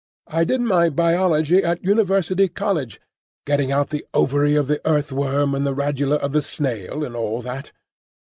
I did my Biology at University College,—getting out the ovary of the earthworm and the radula of the snail, and all that.